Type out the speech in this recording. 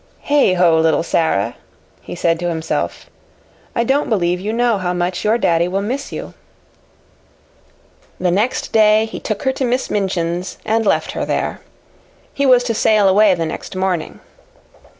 "Heigh ho, little Sara!" he said to himself "I don't believe you know how much your daddy will miss you." The next day he took her to Miss Minchin's and left her there. He was to sail away the next morning.